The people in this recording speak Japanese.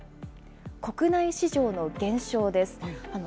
国内市場の減少です。